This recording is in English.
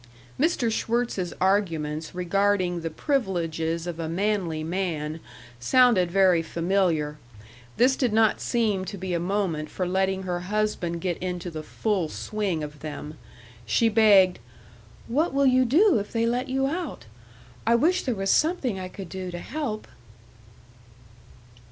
Mr. Schwirtz's arguments regarding the privileges of a manly man sounded very familiar. This did not seem to be a moment for letting her husband get into the full swing of them. She begged: "What will you do if they let you out? I wish there was something I could do to help."